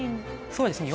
そうですね。